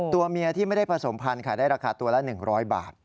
ตัวเมียที่ไม่ได้ผสมพันธุ์ค่ะได้ราคาตัวละ๑๐๐บาท